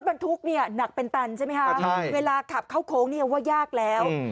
รถบรรทุกนี้หนักเป็นตันใช่ไหมคะ